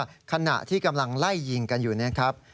ขณะที่กำลังไล่ยิงกันอยู่นะครับ